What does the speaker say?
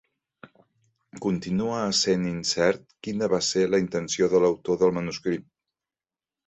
Continua essent incert quina va ser la intenció de l'autor del manuscrit.